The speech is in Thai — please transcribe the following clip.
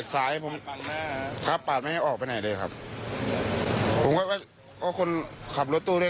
ว่าเขาวิ่งถึงวิ่งแล้วเขาก็แพงเขาหรือ